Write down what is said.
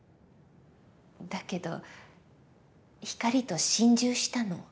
だけど光と心中したの。